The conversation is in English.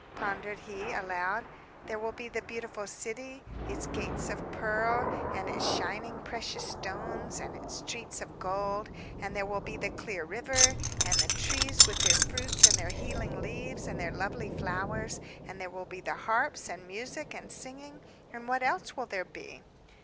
pondered he, aloud. "There will be the beautiful city, its gates of pearl, and its shining precious stones, and its streets of gold; and there will be the clear river, and the trees with their fruits and their healing leaves, and the lovely flowers; and there will be the harps, and music, and singing. And what else will there be?"